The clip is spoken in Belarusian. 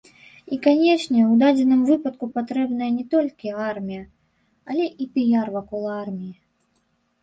І, канечне, у дадзеным выпадку патрэбная не толькі армія, але і піяр вакол арміі.